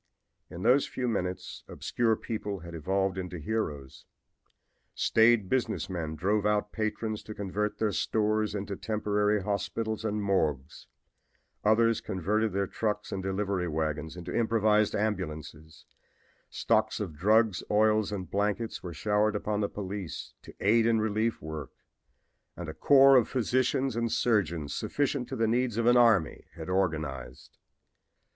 In those few minutes obscure people had evolved into heroes; staid business men drove out patrons to convert their stores into temporary hospitals and morgues; others converted their trucks and delivery wagons into improvised ambulances; stocks of drugs, oils and blankets were showered upon the police to aid in relief work and a corps of physicians and surgeons sufficient to the needs of an army had organized.